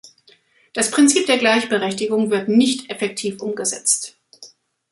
Das Prinzip der Gleichberechtigung wird nicht effektiv umgesetzt.